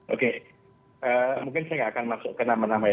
oke mungkin saya nggak akan masuk ke nama nama ya